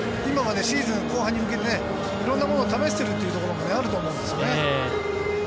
シーズン後半に向けて、いろんなことを試してるというのもあると思うんですよね。